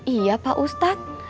iya pak ustadz